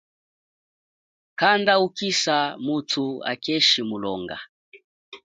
Kanda ukisa muthu hakeshi mulonga.